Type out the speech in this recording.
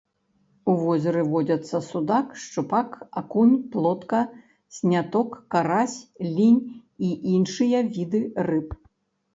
У возеры водзяцца судак, шчупак, акунь, плотка, сняток, карась, лінь і іншыя віды рыб.